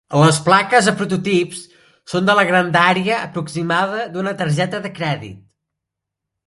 Les plaques de prototips són de la grandària aproximada d'una targeta de crèdit.